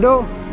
mau kerja nggak